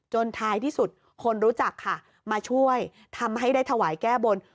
ท้ายที่สุดคนรู้จักค่ะมาช่วยทำให้ได้ถวายแก้บน